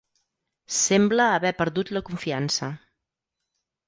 Sembla haver perdut la confiança.